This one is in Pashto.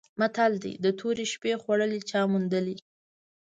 متل دی: د تورې شپې خوړلي چا موندلي؟